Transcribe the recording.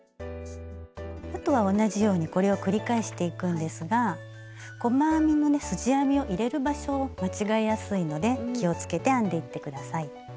あとは同じようにこれを繰り返していくんですが細編みのねすじ編みを入れる場所を間違えやすいので気をつけて編んでいって下さい。